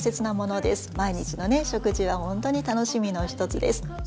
毎日の食事は本当に楽しみの一つです。